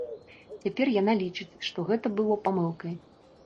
Цяпер яна лічыць, што гэта было памылкай.